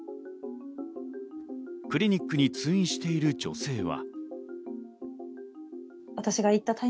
クリニックに通院している女性は。